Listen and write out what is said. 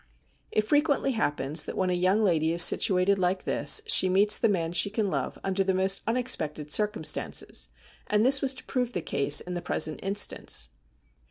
It frequently happens that when a young lady is situated like this she meets the man she can love under the most un expected circumstances, and this was to prove the case in the present instance.